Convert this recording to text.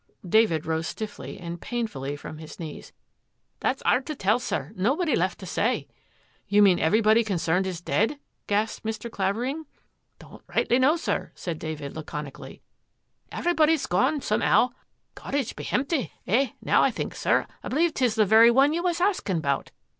" David rose stiffly and painfully from his knees. " That's 'ard to tell, sir. Nobody left to say. " You mean everybody concerned is dead? gasped Mr. Clavering. " Don't rightly know, sir," said David laconic ally. " Everybody is gone some 'ow ; cottage be hempty — Eh, now I think, sir, I b'lieve 'tis the very one you was haskin' about.